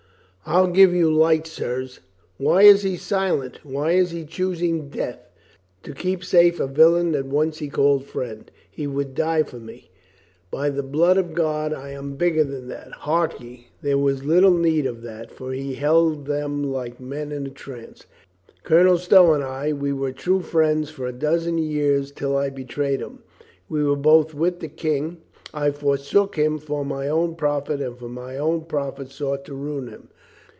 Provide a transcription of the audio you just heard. "I'll give you light, sirs. Why is he silent? Why is he choosing death? To keep safe a villain that once he called friend. He would die for me. By the blood of God, I am bigger than that ! Hark ye !" There was little need of that, for he held them like men in a trance. "Colonel Stow and I, we were true friends for a dozen years till I betrayed him. We were both with the King. I forsook him for my own profit and for my own profit sought to ruin him.